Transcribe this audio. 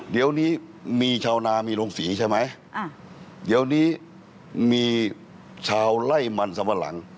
เดี๋ยวนี้มีชาวนามีโรงศรีใช่ไหมเดี๋ยวนี้มีชาวไล่มันสัมปะหลัง